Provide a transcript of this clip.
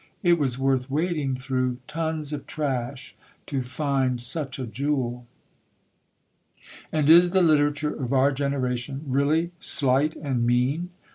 It was worth wading through tons of trash to find such a jewel. And is the literature of our generation really slight and mean?